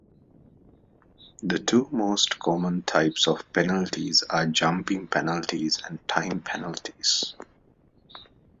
The two most common types of penalties are jumping penalties and time penalties.